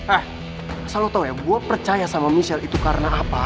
eh asal lo tau ya gue percaya sama michelle itu karena apa